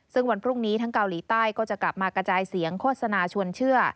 ซึ่งวันพรุ่งนี้ทั้งเกาหลีใต้ก็จะกลับมากระจายเสียงโฆษณาชวนเชื่อ